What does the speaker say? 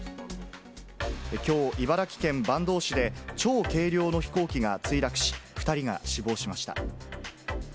きょう、茨城県坂東市で超軽量の飛行機が墜落し、２人が死亡しました。